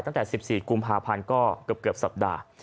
ตั้งแต่๑๔กุมภาพันธ์ก็เกือบสัปดาห์